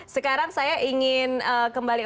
sekarang saya ingin kembali